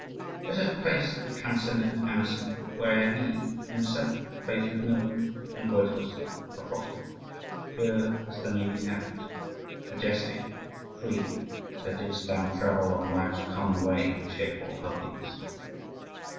Let us place the transcendent Emerson where he, himself, places Milton, in Wordsworth's apostrophe: "Pure as the naked heavens, majestic, free, so didst thou travel on life's common way in cheerful Godliness."